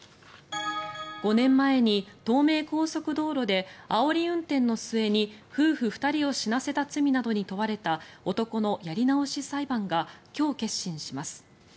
５年前に東名高速道路であおり運転の末に夫婦２人を死なせた罪などに問われた男のやり直し裁判が今日、結審します。